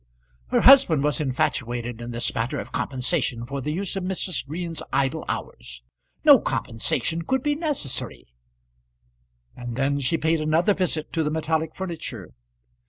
Her husband was infatuated in this matter of compensation for the use of Mrs. Green's idle hours; no compensation could be necessary; and then she paid another visit to the metallic furniture.